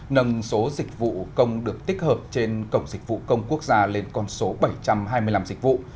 nâng số dịch vụ công được tích hợp trên cổng dịch vụ công quốc gia lên con số bảy trăm hai mươi năm dịch vụ